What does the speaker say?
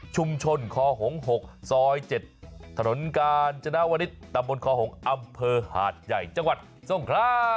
ชุมชนคห๖ซ๗ถกจนาวริตตำบลคหอำเภอหาดใหญ่จังหวัดทรงคลา